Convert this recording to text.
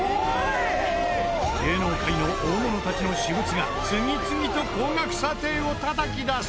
芸能界の大物たちの私物が次々と高額査定をたたき出す！